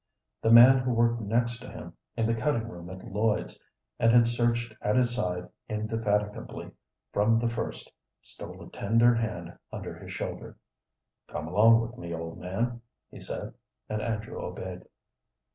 The man who worked next to him in the cutting room at Lloyd's, and had searched at his side indefatigably from the first, stole a tender hand under his shoulder. "Come along with me, old man," he said, and Andrew obeyed.